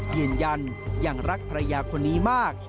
ยืนยันยังรักภรรยาคนนี้มาก